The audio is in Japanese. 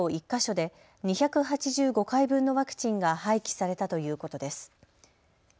１か所で２８５回分のワクチンが廃棄されたということです。